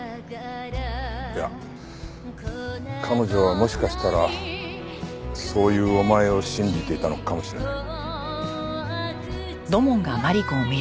いや彼女はもしかしたらそういうお前を信じていたのかもしれない。